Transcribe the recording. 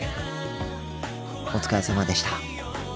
お疲れさまでした。